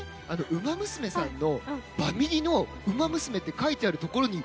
ウマ娘さんとバミリのウマ娘って書いてるところに。